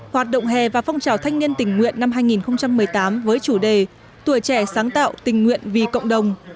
hoạt động hè và phong trào thanh niên tình nguyện năm hai nghìn một mươi tám với chủ đề tuổi trẻ sáng tạo tình nguyện vì cộng đồng